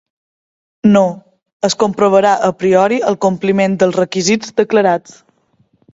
No, es comprovarà a priori el compliment dels requisits declarats.